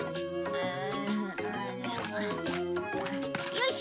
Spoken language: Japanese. よし！